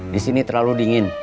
di sini terlalu dingin